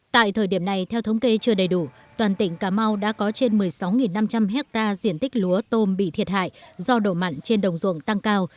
tại thời điểm này theo thống kê chưa đầy đủ toàn tỉnh cà mau đã có trên một mươi sáu năm trăm linh hectare diện tích lúa tôm bị thiệt hại do độ mặn trên đồng ruộng tăng cao